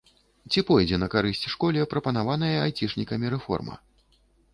Ці пойдзе на карысць школе прапанаваная айцішнікамі рэформа?